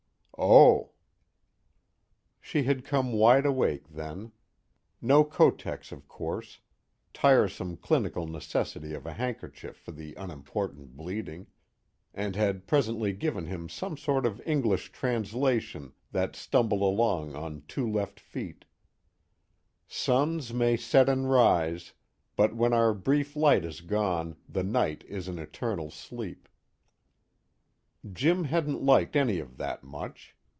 _" "Oh." She had come wide awake then: no Kotex of course, tiresome clinical necessity of a handkerchief for the unimportant bleeding and had presently given him some sort of English translation that stumbled along on two left feet: "Suns may set and rise, but when our brief light is gone, the night is an eternal sleep." Jim hadn't liked any of that, much.